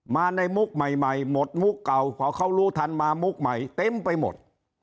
มาในมุกใหม่หมดมุกเก่าพอเขารู้ทันมามุกใหม่เต็มไปหมด